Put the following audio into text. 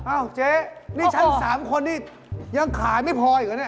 อ้าวเจ๊นี่ทั้งสามคนนี่ยังขายไม่พออยู่เหรอเนี่ย